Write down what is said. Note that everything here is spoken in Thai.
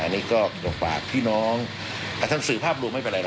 นี่ก็ลงปากพี่น้องอ่ะทันสื่อภาพรู้ไม่เป็นไร